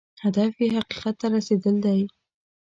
هدف یې حقیقت ته رسېدل دی.